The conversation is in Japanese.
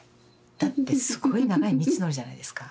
だってすごい長い道のりじゃないですか。